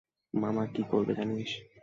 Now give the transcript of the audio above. মামা কী করবে জানিস?